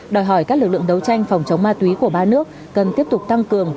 đòi hỏi các lực lượng đấu tranh phòng chống ma túy của ba nước cần tiếp tục tăng cường